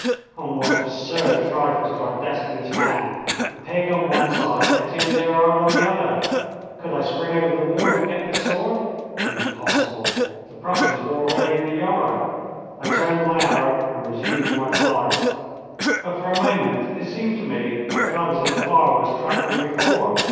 On what absurd trifles do our destinies hang a pig on one side, Etienne Gerard on the other! Could I spring over the wall and get the sword? Impossible! The Prussians were already in the yard. I turned my Arab and resumed my flight. But for a moment it seemed to me that I was in a far worse trap than before.